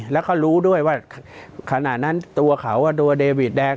แล้วเขารู้ด้วยว่าขณะนั้นตัวเขาตัวเดวิดแดง